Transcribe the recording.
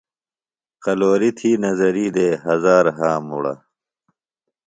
قلورِیۡ تھی نظرِیۡ دے ہزار ہا مُڑہ۔